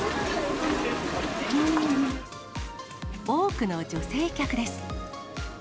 多くの女性客です。